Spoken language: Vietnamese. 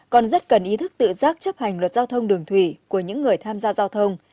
còn rất cần ý thức tự giác chấp hành luật giao thông đường thủy của những người tham gia giao thông